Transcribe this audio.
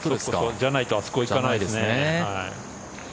じゃないとあそこに行かないですね。